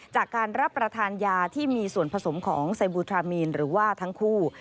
จากการรับประทานยาที่มีส่วนผสมของไซบูทรามีนหรือว่าทั้งคู่